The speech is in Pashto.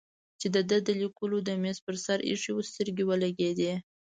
چې د ده د لیکلو د مېز پر سر ایښی و سترګې ولګېدې.